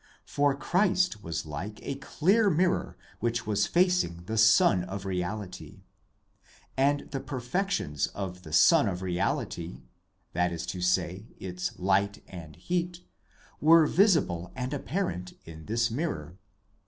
For POWERS AND CONDITIONS OF MAN 241 Christ was like a clear mirror which was facing the Sun of Reality; and the perfections of the Sun of Reality, that is to say its light and heat, were visible and apparent in this mirror.